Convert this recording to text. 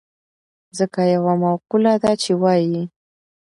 ځکه يوه مقوله ده چې وايي.